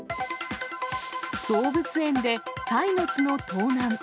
動物園でサイの角盗難。